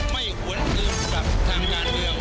ไม่หวนอื่นกับทางงานเดียว